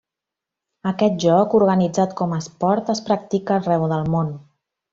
Aquest joc, organitzat com esport, es practica arreu del món.